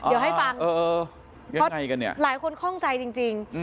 เพราะหลายคนข้องใจจริง